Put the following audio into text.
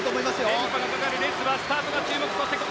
連覇がかかるレスはスタートが注目。